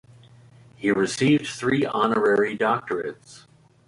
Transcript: He received three honorary doctorates.